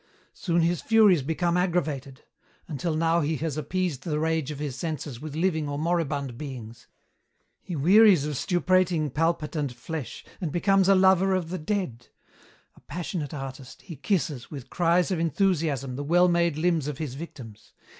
"Soon his furies become aggravated. Until now he has appeased the rage of his senses with living or moribund beings. He wearies of stuprating palpitant flesh and becomes a lover of the dead. A passionate artist, he kisses, with cries of enthusiasm, the well made limbs of his victims.